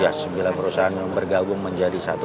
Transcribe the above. ya sembilan perusahaan yang bergabung menjadi satu